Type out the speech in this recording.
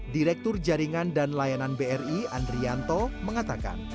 direktur jaringan dan layanan bri andrianto mengatakan